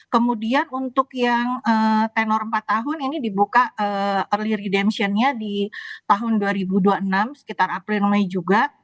kemudian untuk yang tenor empat tahun ini dibuka early redemptionnya di tahun dua ribu dua puluh enam sekitar april mei juga